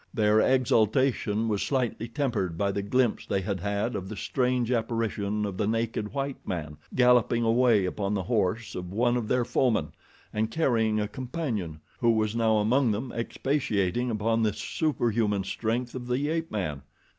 Their exultation was slightly tempered by the glimpse they had had of the strange apparition of the naked white man galloping away upon the horse of one of their foemen and carrying a companion who was now among them expatiating upon the superhuman strength of the ape man.